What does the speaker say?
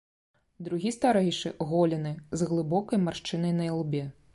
Другі, старэйшы, голены, з глыбокай маршчынай на ілбе.